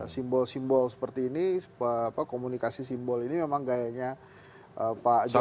simbol simbol seperti ini komunikasi simbol ini memang gayanya pak jokowi